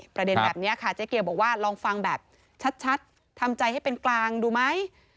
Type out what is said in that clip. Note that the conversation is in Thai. ประเด็นแบบนี้ค่ะเจ๊เกียวบอกว่าลองฟังแบบชัดทำใจให้เป็นกลางดูไหม